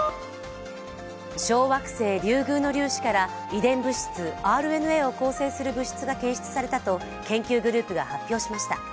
小惑星リュウグウの粒子から遺伝物質ＲＮＡを構成する物質が検出されたと研究グループが発表しました。